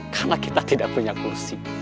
karena kita tidak punya kursi